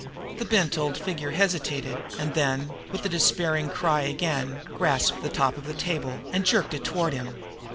The bent old figure still hesitated, and then, with the despairing cry again, grasped at the top of the table, and jerked it toward him.